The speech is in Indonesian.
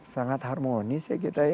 sangat harmonis ya kita ya